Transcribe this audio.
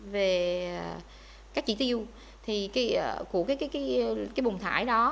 về các chỉ tiêu của cái bùn thải đó